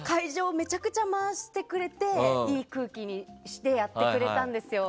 めちゃくちゃ回してくれていい空気にしてくれたんですよ。